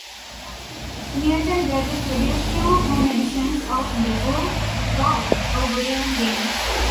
Milton Bradley produced two home editions of "The Who, What, or Where Game".